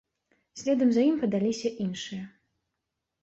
Следам за ім падаліся іншыя.